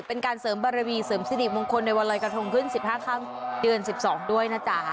เป็นการเสริมบารมีเสริมสิริมงคลในวันรอยกระทงขึ้น๑๕ค่ำเดือน๑๒ด้วยนะจ๊ะ